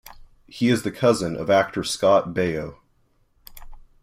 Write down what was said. He is the cousin of actor Scott Baio.